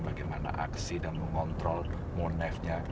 bagaimana aksi dan mengontrol monef nya